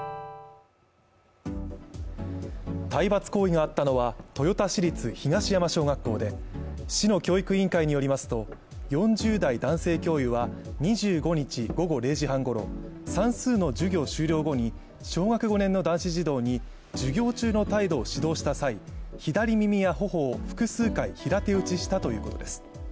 体罰行為があったのは豊田市立東山小学校で２５日午後０時半ごろ、算数の授業終了後に小学５年の男子児童に授業中の態度を指導した際左耳や頬を複数回平手打ちしたということです